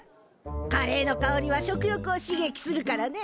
カレーのかおりは食欲を刺激するからね。